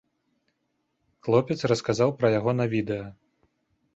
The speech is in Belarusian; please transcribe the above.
Хлопец расказаў пра яго на відэа.